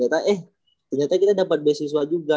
ternyata kita dapet beasiswa juga